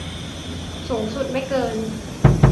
สูงสุดไม่เกิน